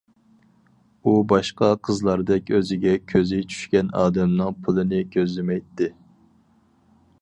ئۇ باشقا قىزلاردەك ئۆزىگە كۆزى چۈشكەن ئادەمنىڭ پۇلىنى كۆزلىمەيتتى.